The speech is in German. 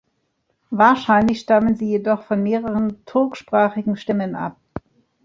Wahrscheinlich stammen sie jedoch von mehreren turksprachigen Stämmen ab.